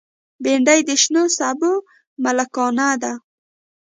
بېنډۍ د شنو سابو ملکانه ده